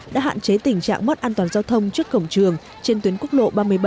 đã hạn chế tình trạng mất an toàn giao thông trước cổng trường trên tuyến quốc lộ ba mươi bảy